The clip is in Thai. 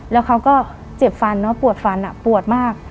แล้วเขาก็เจ็บฟันเนอะปวดฟันปวดมาก